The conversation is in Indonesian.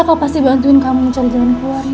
kakak pasti bantuin kamu cari jalan keluarnya